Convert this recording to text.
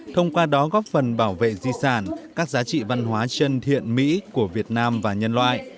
thông qua đó góp phần bảo vệ di sản các giá trị văn hóa chân thiện mỹ của việt nam và nhân loại